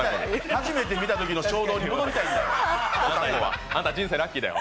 初めて見たときの衝撃に戻りたいんだよ。